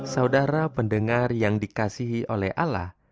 saudara pendengar yang dikasihi oleh ala